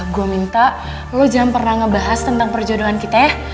gue minta lo jangan pernah ngebahas tentang perjuangan kita ya